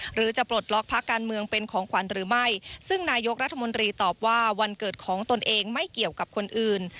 หรือจะปลดล็อกพักการเมืองเป็นของขวัญหรือไม่ซึ่งนายกรัฐมนตรีตอบว่าวันเกิดของตนเองไม่เกี่ยวกับคนอื่น